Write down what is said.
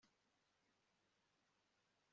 Iyo dufite umunezero twifuza gusangira